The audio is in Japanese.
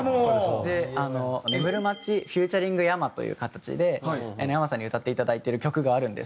『ねむるまちｆｅａｔ．ｙａｍａ』という形でｙａｍａさんに歌っていただいてる曲があるんですけど。